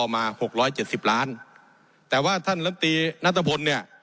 มาหกร้อยเจ็ดสิบล้านแต่ว่าท่านลำตีนัตรพลเนี่ย